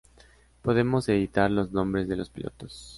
Podemos editar los nombres de los pilotos.